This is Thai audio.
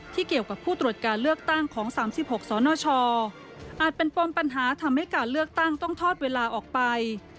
เกี่ยวกับผู้ตรวจการเลือกตั้งของ๓๖สนชอาจเป็นปมปัญหาทำให้การเลือกตั้งต้องทอดเวลาออกไป